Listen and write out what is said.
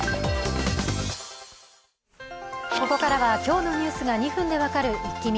ここからは今日のニュースが２分で分かるイッキ見。